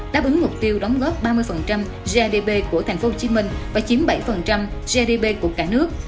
đáp ứng mục tiêu đóng góp ba mươi gdp của tp hcm và chiếm bảy gdp của cả nước